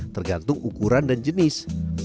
tergantung ukuran dan jenis